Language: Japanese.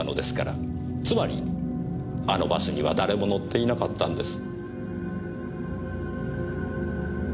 つまりあのバスには誰も乗っていなかったんです。